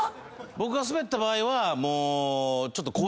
僕がスベった場合は。